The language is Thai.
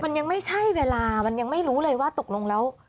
มันยังไม่ใช่เวลามันยังไม่รู้เลยว่าตกลงแล้ว